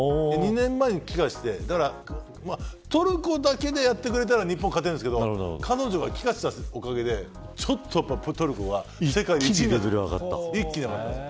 ２年前に帰ってきてトルコだけでやってくれたら日本勝てるんですけど彼女が帰化したおかげでトルコが一気に上がった。